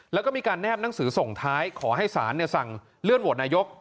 แล้วก็มีการแนบหนังสือส่งท้ายขอให้ศาลสั่งเลื่อนโหวตนายก